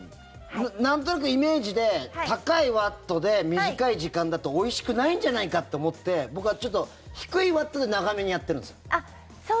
なんとなくイメージで高いワットで短い時間だとおいしくないんじゃないかって思って僕はちょっと低いワットで長めにやってるんです。